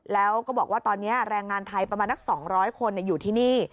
แล้วก็บอกว่าตอนนี้แรงงานไทยประมาณนัก๒๐๐คนอยู่ที่นี่